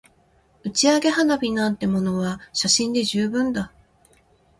打ち上げ花火なんてものは写真で十分だ